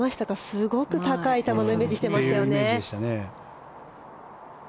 すごい高い球のイメージをしてましたよね。